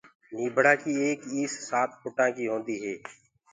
نيٚڀڙآ ڪيٚ ايڪ ايس سآت ڦُٽآنٚ ڪيٚ هونٚديٚ هي